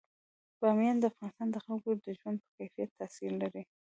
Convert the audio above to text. بامیان د افغانستان د خلکو د ژوند په کیفیت تاثیر لري.